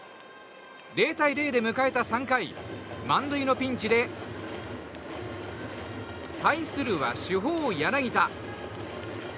０対０で迎えた３回満塁のピンチで対するは主砲・柳田。